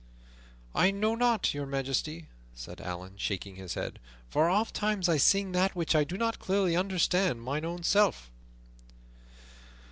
"I know not, Your Majesty," said Allan, shaking his head, "for ofttimes I sing that which I do not clearly understand mine own self."